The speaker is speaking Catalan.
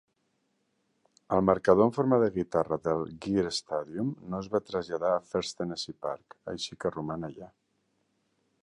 El marcador en forma de guitarra del Greer Stadium no es va traslladar a First Tennessee Park, així que roman allà.